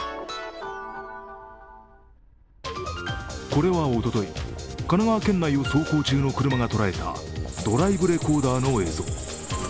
これはおととい、神奈川県内を走行中の車が捉えたドライブレコーダーの映像。